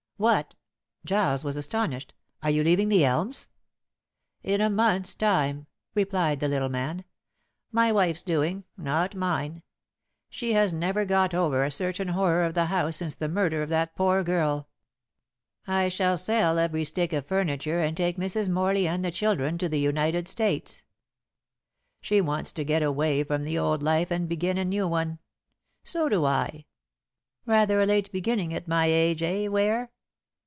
"What!" Giles was astonished. "Are you leaving The Elms?" "In a month's time," replied the little man. "My wife's doing, not mine. She has never got over a certain horror of the house since the murder of that poor girl. I shall sell every stick of furniture and take Mrs. Morley and the children to the United States. She wants to get away from the old life and begin a new one. So do I. Rather a late beginning at my age, eh, Ware?"